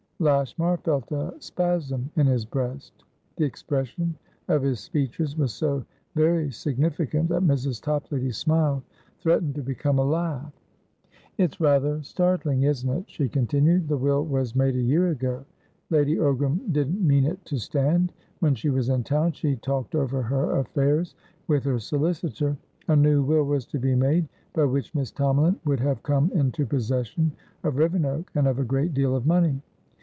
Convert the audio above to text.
Lashmar felt a spasm in his breast. The expression of his features was so very significant that Mrs. Toplady's smile threatened to become a laugh. "It's rather startling, isn't it?" she continued. "The will was made a year ago. Lady Ogram didn't mean it to stand. When she was in town, she talked over her affairs with her solicitor; a new will was to be made, by which Miss Tomalin would have come into possession of Rivenoak, and of a great deal of money.